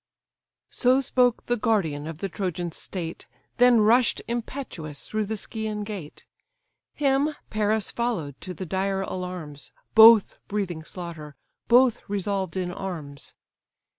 So spoke the guardian of the Trojan state, Then rush'd impetuous through the Scæan gate. Him Paris follow'd to the dire alarms; Both breathing slaughter, both resolved in arms.